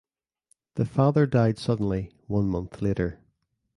The father died suddenly one month later.